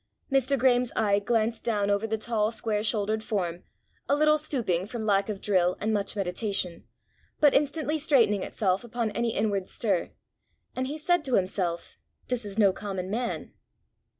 Mr. Graeme's eye glanced down over the tall square shouldered form, a little stooping from lack of drill and much meditation, but instantly straightening itself upon any inward stir, and he said to himself, "This is no common man!"